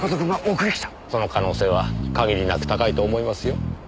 その可能性は限りなく高いと思いますよ。